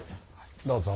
どうぞ。